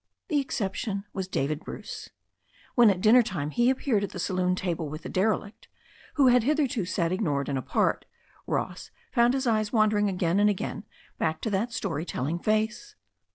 The exception was David Bruce. When at dinner time he appeared at the saloon table with the derelict, who had hitherto sat ignored and apart, Ross found his eyes wan * dering again and again back to that story telling face.